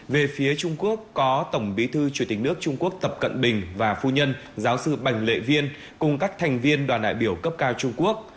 về phía trung quốc có tổng bí thư chủ tịch nước trung quốc tập cận bình và phu nhân giáo sư bành lệ viên cùng các thành viên đoàn đại biểu cấp cao trung quốc